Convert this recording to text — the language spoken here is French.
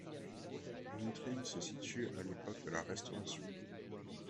L'intrigue se situe à l'époque de la Restauration.